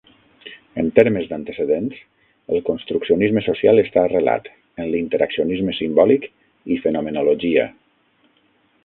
En termes d'antecedents, el construccionisme social està arrelat en "l'interaccionisme simbòlic" i "fenomenologia".